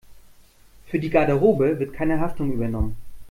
Für die Garderobe wird keine Haftung übernommen.